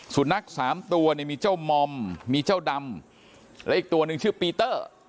สุนัขสามตัวเนี่ยมีเจ้ามอมมีเจ้าดำและอีกตัวหนึ่งชื่อปีเตอร์